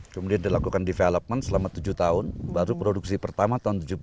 kemudian dilakukan development selama tujuh tahun baru produksi pertama tahun tujuh puluh tiga